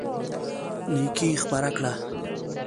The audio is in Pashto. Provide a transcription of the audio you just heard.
نيکي خپره کړه.